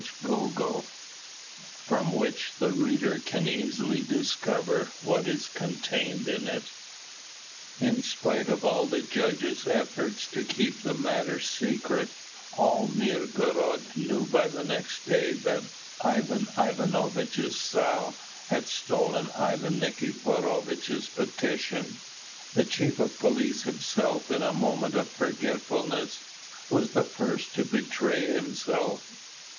CHAPTER VI FROM WHICH THE READER CAN EASILY DISCOVER WHAT IS CONTAINED IN IT In spite of all the judge's efforts to keep the matter secret, all Mirgorod knew by the next day that Ivan Ivanovitch's sow had stolen Ivan Nikiforovitch's petition. The chief of police himself, in a moment of forgetfulness, was the first to betray himself.